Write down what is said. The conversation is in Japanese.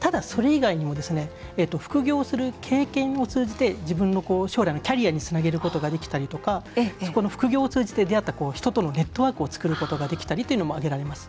ただ、それ以外にも副業をする経験を通じて自分の将来のキャリアにつなげることができたりとか副業を通じて出会った人とのネットワークを作ることができたりというのも挙げられます。